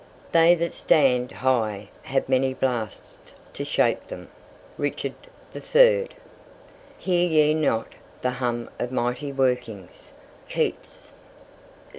"They that stand high have many blasts to shake them." Richard III. "Hear ye not the hum of mighty workings." Keats.